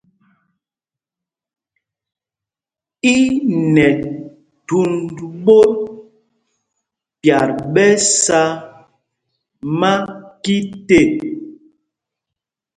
I nɛ thund ɓot pyat ɓɛ sá makit ê.